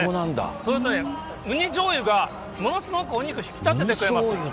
それとウニじょうゆがものすごくお肉引き立ててくれます。